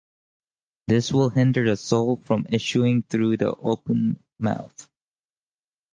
This will hinder the soul from issuing through the open mouth.